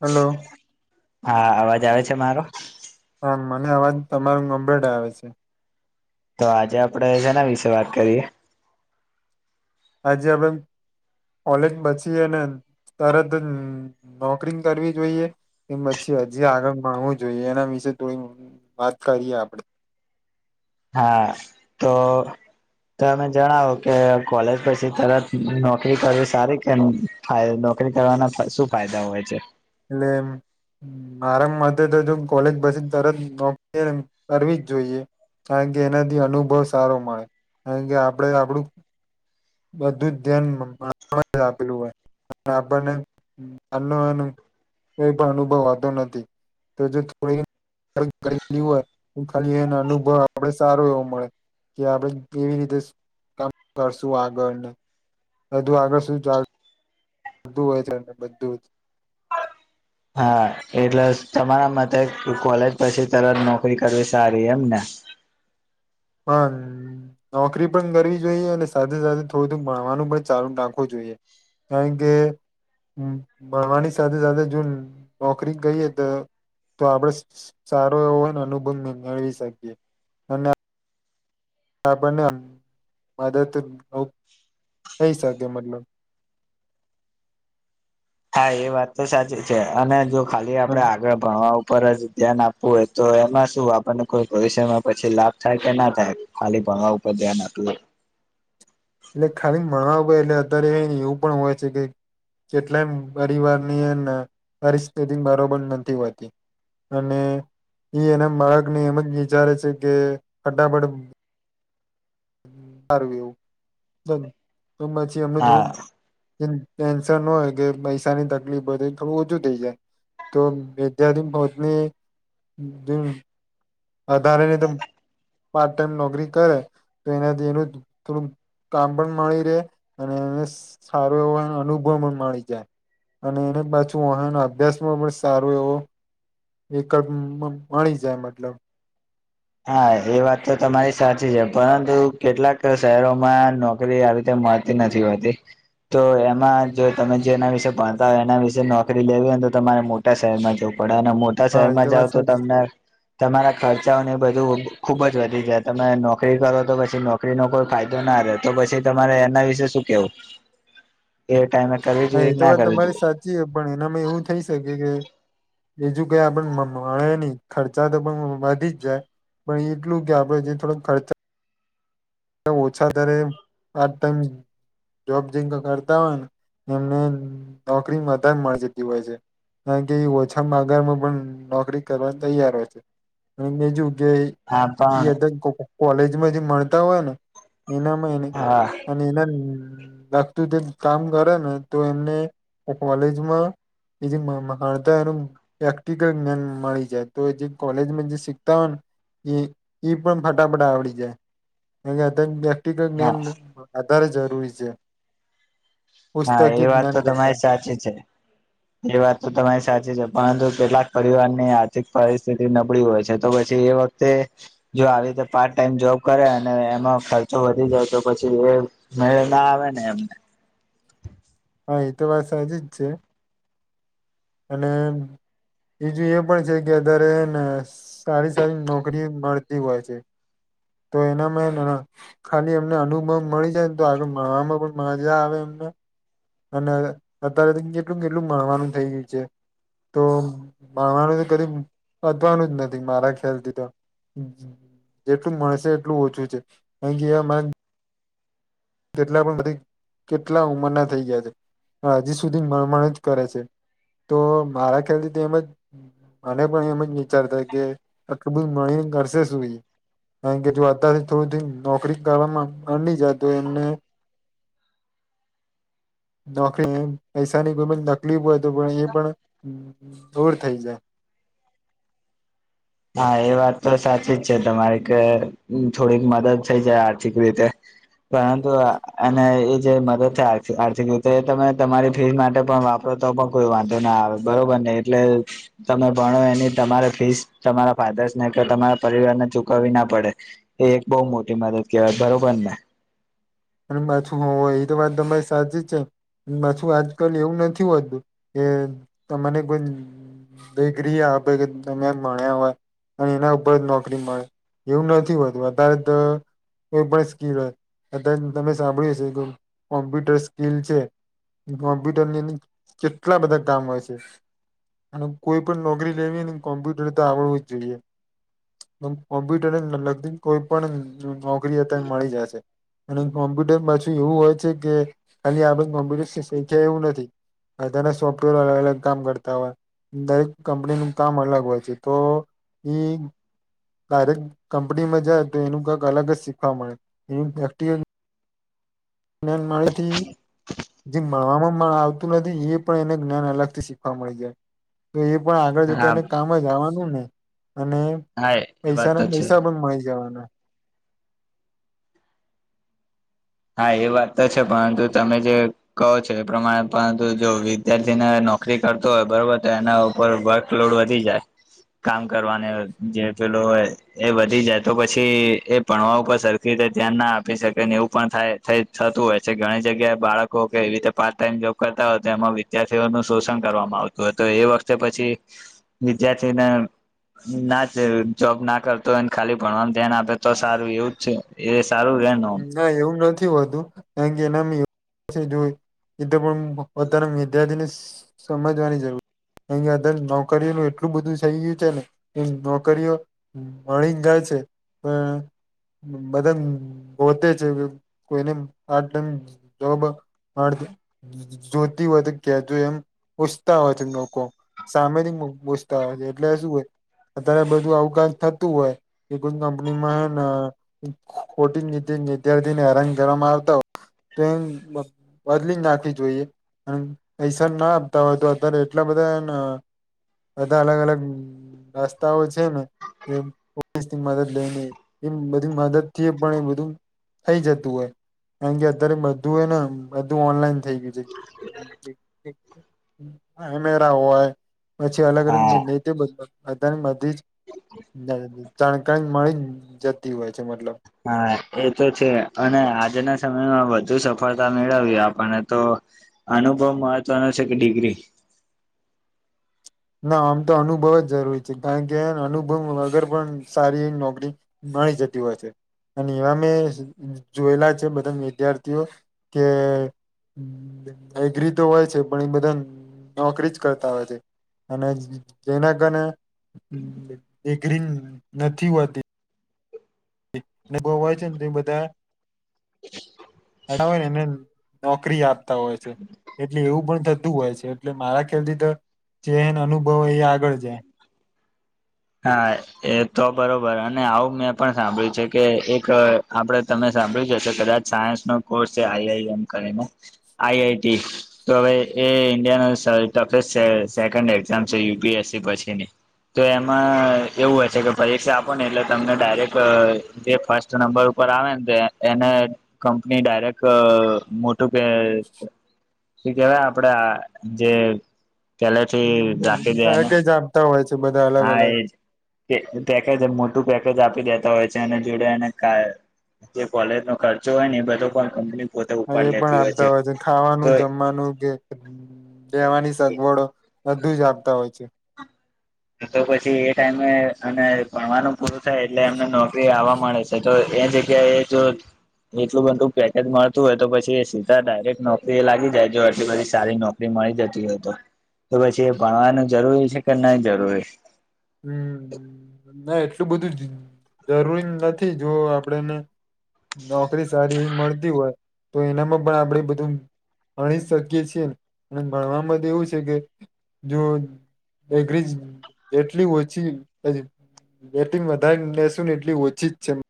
Hello હા અવાજ આવે છે મારો હ મને અવાજ તમારો ગંભેડા આવે છે તો આજે આપડે જેના વિશે વાત કરીએ આજે આપડે કોલેજ બચીએ ને તરત નોકરી કરવી જોઈએ કે પછી હજી આગળ માગવું જોઈએ એના વિશે થોડી વાત કરીએ આપડે હા તો તો તમે જણાવો કે કોલેજ પછી તરત નોકરી કરવી સારી કેમ ફાયદો ન નોકરી કરવાના શું ફાયદા હોય છે એટલે મારામ મતે તો જો કોલેજ પછી તરત નોકરી કરવી જ જોઈએ કારણ કે એનાથી અનુભવ સારો મળે કારણ કે આપણે આપણું બધું જ ધ્યાન મા આપેલું હોય ના અબાને અનુંવાનું કઈ પણ અનુભવાતો નથી તો જે થોડી કરેલી હોય તો ખાલી એનો અનુભવ આપડે સારો એવો મળે કે આપડે કેવી રીતે કામ કરશ શું આગળ ને બધું આગળ શું ચાલ બધું હો છે અનેને બધું જ હા એટલે તમારા મતે કોલેજ પછી તરત નોકરી કરવી સારી એમને [unintelligible] નોકરી પણ કરવી જોઈએ અને સાથે સાથે થોડું ભણવાનું પણ ચાલુ નાખવું જોઈએ કારણ કેે માવાની સાથે સાથે જો નોકરી ગઈએ તો તો આપડ સારો એવો હોયને અનુભંધ મેળવી શકીએ અને આપણ ને આમ મદદરૂપ થઈ શકે મતલબ હા એ વાત તો સાચી છે અને જો ખાલી આપડે એટલે આગળ ભણવા ઉપર જ ધ્યાન આપવું હોય તો એમાં શું આપણને કોઈ ભવિષ્યમાં પછી લાભ થાય કે ના થાય ખાલી ભણ વા ઉપર ધ્યાન આપ્યું એટલે ખાલી ને ભણવા એટલે અત્યારે એવું પણ હોય છે કે કેટલાય પરિવારનીય પરિસ્થિતિ બરોબર નથી હોતી અને એ એના બાળકને એમ જ વિચારે છે કે ફટાફટ બાર એવું તો પછી અમને હા થોડુંક ટેન્શન ન હોય કે પૈસાની તકલીફ બધે થોડું ઓછું થઈ જાય તો વિદ્યાથીિ બહતની દ વધારે ની પાર્ટ ટાઈમ નોકરી કરે તો એનાથી એનું થોડું કામ પણ મળી રહે અને એને સારો એવો અનુભવ પણ મળી જાય અને એને પાછું વના અભ્યાસમાં પણ સારો એવો એક મળી જાય મતલબ હા એ વાત તો તમારી સાચી છે પરંતુ કેટલાક શહેરોમાં નોકરી આવી રીતે માતી નથી હોતી તો એમાં જો તમે જે એના વિશે ભણતા હોય એના વિશે નોકરી લેવી હો ને તો તમારે મોટા શહેરમાં જોવ પડે અને મોટા હા એ શહેરમાં વાત જાવ તો સાચી છે. તમને તમારા ખર્ચાઓને ખુબ જ વધી જાય તમે નોકરી કરો તો પછી નોકરીનો કોઈ ફાયદો ના રહે તો પછી તમારે એ ના વિશે શું કેવું એ ટાઈમે કરવી હા જોઈએ એ કે તો ના વાત કરવી તમારી જોઈએ સાચી છે પણ એનામાં એવું થઈ શકે કે બીજું કઈ આપણ મળે નહી ખર્ચા તો પણ વધી જ જાય પણ એટલું કે આપડે જે થોડોક ખર્ચ ઓછા ત્યારે આમ જોબ જે કરતા હોય ને એમને નોકરી વધારે મળ જતી હોય છે કારણ કે એ ઓછામાં આગારમાં પણ નોકરી કરવા તૈયાર હોય છે અને બીજ હા પણ કે કોલેજમાં જે મળતા હોય ને એનામાં એ ન હા અને એના લાગતું તે કામ કરે ને તો એમને કોલેજમાં એ જે માતાનું પ્રેક્ટિકલ જ્ઞાન મળી જાય તો જે કોલેજમાં જે શીખતા ઈ પણ ફટાફટા આવડી જાય એ કે પ્રેક્ટિકલ હા જ્ઞાન આધારે જરૂરી છે હા પુસ્તકીય એ વાત જ્ઞાન તો કરતા તમારી સાચી છે એ વાત તો તમારી સાચી છે પરંતુ કેટલાક પરિવાર ની આર્થિક પરિસ્થિતિ નબળી હોય છે તો પછી એ વખતે જો આવી રીતે પાર્ટ ટાઈમ જો કરે અને એમાં ખર્ચો વધી જાય તો પછી એ મેળ ના આવે ને એમને હા એ તો વાત સાચી જ છે. અને બીજું એ પણ છે કે અત્યારે અ ન સારી સારી નોકરી મળતી હોય છે. તો એનામાં એન ખાલી એમને અનુભવ મળી જાયને તો આગળ મળવામાં પણ મજા આવે એમ અને અને હવે અત્યારે તો કેટલું કેટલું ભણવાનું થઇ ગયું છે. તો ભણવાનું તો કદી પતવાનું જ નથી મારા ખ્યાલથી તો જેટલું મળશે એટલું ઓછું છે કારણ કે એ અમાર તેટલા પણ બધી કેટલા ઉંમરના થઇ ગયા છે પણ હજી સુધી [unintelligible] જ કરે છે. તો મારા ખ્યાલથી તો એમ જ મને પણ એમ જ વિચાર થાય કે આટલું બધું ભણીન કરશે શું ઈ કારણ કે જો અત્યારે જ થોડે દિન નોકરી કરવા મા માની જાય તો એને નોકરી પૈસાની કોઈ પણ તકલીફ હોય તો પણ એ પણ દૂર થઈ જાય [inaudible] હા એ વાત તો સાચી જ છે તમારી કે થોડીક મદદ થઈ જાય આર્થિક રીતે પરંતુ અને એ જે મદદ છે આર્થિક આર્થિક રીતે એ તમે તમારી ફી માટે પણ વાપ તો પણ કોઈ વાંધો ના આવે બરોબર ને એટલે તમે ભણો એની તમારે ફીસ તમારા ફાધર્સ ને કે તમારા પરિવારને ચુકવવી ના પડે એ એક બહુ મોટી મદદ કહેવાય બરોબર ને અને પાછું હોય એ તો વાત તમારી સાચી જ છે પાછું આજકાલ એવું નથી હોતું કે તમને કોઈ બેગરી આપ કે તમે માણ્યા હોય. અને એના ઉપર નોકરી મળે એવું નથી હોતું અતારે તો કોઈ પણ સ્કીલ હોય અ તમે સાંભળ્યું હશે કે કોમ્પ્યુટર સ્કીિલ છે કોમ્પ્યુટર ની કેટલા બધા કામ હોય છે અને કોઈ પણ નોકરી લેવીને કોમ્પ્યુટર તો આવડવું જ જોઈએ. કોમ્પ્યુટરને લગતી કોઈ પણ નોકરી અતારે મળી જાય છે. અને કોમ્પ્યુટર પાછું એવું હોય છે કે ખાલી આ બધ કોમ્પ્યુટર શીખ્યા એવું નથી. અત્યારે સોફ્ટવેર અલગ અલગ કામ કરતા હોય દરેક કંપનીનું કામ અલગ હોય છે તો ઈ ડાયરેકટ કંપનીમાં જાય તો એનું કંક અલગ જ શીખવા મળે [unintelligible] ને મળતી જે મળવામાં પણ આવતું નથી એ પણ એને જ્ઞાન અલગથી શીખવા મળી જાય. એ પણ આગળ જતા હા એને કામ જ આવવાનું ને અને હા એ પૈસા વાત તો ના છે પૈસા પણ મળી જવાના. હા એ વાત તો છે પરંતુ તમે જે કહો છો એ પ્રમાણે પરંતુ જો વિદ્યાર્થીને નોકરી કરતો હોય બરોબર તો એના ઉપર વર્કલોડ વધી જાય. કામ કરવાને જે પેલો એ વધી જાય તો પછી એ ભણવા ઉપર સરખી ધ્યાન ના આપી શકે ને એવું પણ થાય થય થતું હોય છે ઘણી જગ્યાએ બાળકો કે એવી રીતે પાર્ટ ટાઈમ જોબ કરતા હોય તો એમાં વિદ્યાર્થીઓ નું શોષણ કરવામાં આવતું હોય તો એ વખતે પછી વિદ્યાર્થીને ના છે જોબ ના કરતો હોને ખાલી ભણવાનું ધ્યાન આપે તો સારું એવું જ છે એ સારું રે ન ના એવું નથી હોતું એ કારણકે એનામા પાસે જ હોય એ તો પણ પોતાના વિદ્યાર્થીને સમજવાની જરૂર અહીંયાધર નોકરીઓનું એટલું બધું થઈ ગયું છે ને કે નોકરીઓ મળી જાય છે. પણ બધા પોતે છે કોઈને પાર્ટ ટાઈમ જોબ પાર્ત જોતી વધુ કેતી હોય એમ પૂછતા હોય છે લોકો સામેથી પૂછતા હોય છે એટલે શું અત્યારે બધું આવકા થતું હોય કે કોઈ કંપનીમાં હ ખોટી વિદ્યાર્થીને હેરાન કરવામાં આવતા હોય તો એ બદલી નાખવી જોઈએ [unintelligible] પૈસા ના આપતા હોય તો અત્યારે એટલા બધા ના બધા અલગ અલગ રસ્તાઓ છે ને જે પોલીસ ની મદદ લઈ ને એ બધી મદદથી પણ એ બધું થઈ જતું હોય. કારણ કે અત્યારે બધું હો ને બધું ઓનલાઈન થઇ ગયું છે. હમ્મ તે હા એમેરા હોય પછી અલગ અલગ હા જગ્યા તે બધા બધને બધી જ જા જાનકારી મળી જતી હોય છે મતલબ. હા એ તો છે અને આજના સમયમાં વધુ સફળતા મેળવી આપને તો અનુભવ મહત્વનો છે કે ડિગ્રી. [inaudible] ના આમ તો અનુભવ જ જરૂરી છે કારણ કે અનુભવ વગર પણ સારી નોકરી મળી જતી હોય છે. અને એવા મેં જોયેલા છે બધા વિદ્યાર્થીઓ કે એગ્રી તો હોય છે પણ એ બધા નોકરી જ કરતા હોય છે. અને જે જેના કારણે એ એગ્રી નથી હોતી. તે ને બો વાજ તે બધા [unintelligible] હોય ને એમણે નોકરી આપતા હોય છે એટલે એવું પણ થતું હોય છે એટલે મારા ખ્યાલથી તો જેન અનુભવ એ આગળ જાય. હા એ તો બરોબર અને આવું મેં પણ સાંભળ્યું છે કે એક આપડે તમે સાંભળ્યું છે કદાચ સાયસ ન કોર્સ છે આઈ આઈ એમ કરીને આઈ આઈ ટી તો હવે એ ઇન્ડિયા નો સા [unintelligible] સેકન્ડ એક્ઝામ છે યુ પી એસ સી પછીની તો એમ એમાં એવું હોય છે કે પરીક્ષા આપો ને એટલે તમને ડાયરેક્ટ જે ફર્સ્ટ નંબર ઉપર આવે ને તે એને કંપની ડાયરેક્ટ મોટું કે એ કેવાય આપડ આ જે પેલે થી રાખી જે એનો એક જ આપતા હોય છે બધા અલગ હા એજ અલગ પેકેજ કે મોટું પેકે તોજ આપી દેતા હોય છે અને જોડે અને કા જે કોલેજ નો ખર્ચો હોય ને એ બધો પણ કમ્પ્લીટ હ એ પણ આપતા હોય છે ખાવાનું જમવાનું કે દેવાની સગવડો બધું જ આપતા હોય છે. તો પછી એ ટાઈમે અને ભણવાનું પૂરું થાય એટલે એમને નોકરી આવવા મળે છે તો એ જેગ્યા એ જો એટલું બધું પેકેજ મળતું હોય તો પછી એ સીતા ડાયરેક્ટ નોકરી એ લાગી જાય જો એટલી પછી સારી નોકરી મળી જતી હોય તો પછી એ ભણવાનું જરૂરી છે કે નહી જરૂરી હમ્મ. ના એટલું બધું જરૂરી નથી જો આપડેને નોકરી સારી મળતી હોય તો એનામાં પણ આપડ બધું ભણી શકીએ છીએને અને ભણ માટે એવું છે કે જો બેકરી જ જેટલી ઓછી [unintelligible] બેટિંગ વધારે નું લેશું ને એટલી ઓછી જ જન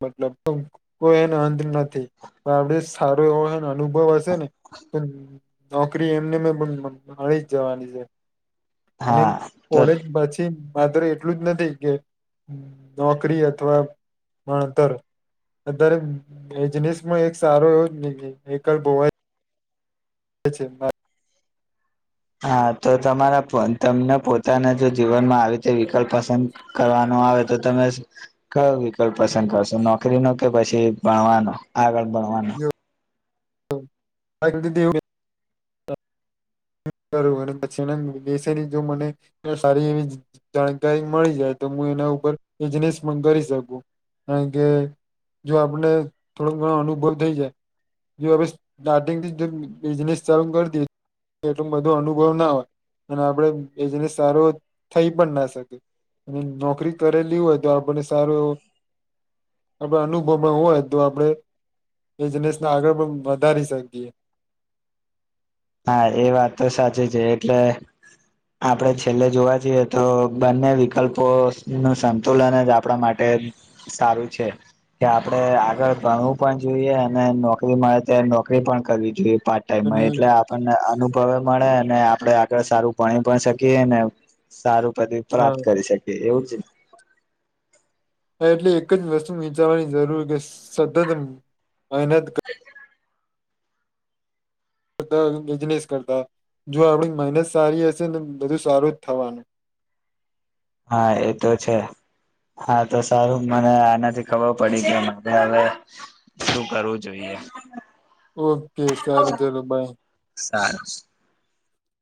મતલબ નો કોઈ એનો અંત નથી. પણ આપડે સારો એવો અનુભવ હશે ને. તા નોકરી એમને મેં પણ મળી જ જવાની છે. અને હા તો કોલેજ પછી માત્ર એટલું જ નથી કે નોકરી અથવા ભણતર આધાર એજનીસમાં એક સારો એવ વિકલ્પ હોવા એ છે માં હા તો તમારા તમને પોતાના જો જીવનમાં આવી રીતે વિકલ્પ પસંદ કરવાનો આવે તો તમે કયો વિકલ્પ પસંદ કરશો નોકરી નો કે પછી ભણવાનો આગળ ભણવાનું તો [unintelligible] [inaudible] કરું અને પછી એના બેસેની જો મને સારી એવી જાણકારી મળી જાય તો હું એના બિઝનેસ પણ કરી શકું કારણ કે જો આપને થોડો ઘણો અનુભવ થઈ જાય જો આપડે સ્ટાર્ટિંગથી બિઝનેસ ચાલુ કરી દઈએ એટલું બધો અનુભવ ના હોય અને આપડે બિઝનેસ સારો થઈ પણ ના શકીએ અને નોકરી કરેલી હોય તો આપણને સારું એવો આપડે અનુભવમાં હોય તો આપડે બિઝનેસને આગળ પણ વધારી શકીએ. હા એ વાત તો સાચી છે એટલે આપડે છેલ્લે જોવા જઈએ તો બંને વિકલ્પો નું સંતુલન જ આપણા માટે સારું છે. કે આપડે આગળ ભણવું પણ જોઈએ અને નોકરી મળે ત્યારે નોકરી પણ કરવી જોઈએ. પાર્ટ ટાઈમ માં અને એટલે આપણને અનુભવે મળે આપડે આગળ સારું ભણી પણ શકીએ ને સારું હા પ્રાપ્ત કરી શકી એવું જ એટલે એક જ વસ્તુ વિચારવાની જરૂર કે સતત મહેનત બધા બિઝનેસ કરતા જો આપણી મહેનત સારી હશે ને બધું સારું જ થવાનું. હા એતો છે. હા તો સારું મને આનાથી ખબર પડી ગઈ મારે હવે શું કરવું જોઈએ. [inaudible] ઓકે સારું ચાલો બાય. સારું